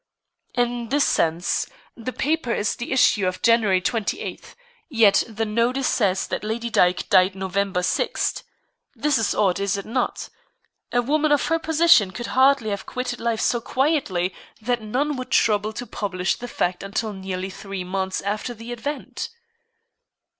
"In this sense: The paper is the issue of January 28, yet the notice says that Lady Dyke died on November 6. This is odd, is it not? A woman of her position could hardly have quitted life so quietly that no one would trouble to publish the fact until nearly three months after the event."